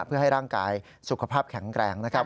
เพื่อให้ร่างกายสุขภาพแข็งแรงนะครับ